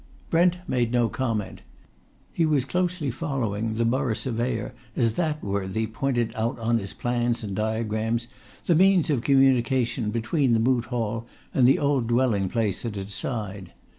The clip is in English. Brent made no comment. He was closely following the Borough Surveyor as that worthy pointed out on his plans and diagrams the means of communication between the Moot Hall and the old dwelling place at its side.